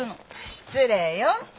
失礼よ。